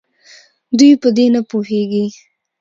دوي په دې نپوهيږي